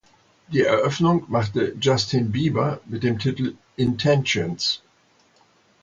Die Eröffnung machte Justin Bieber mit dem Titel "Intentions".